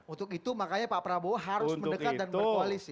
untuk itu makanya pak prabowo harus mendekat dan berkoalisi